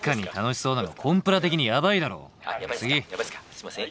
「すいません。